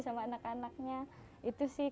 sama anak anaknya itu sih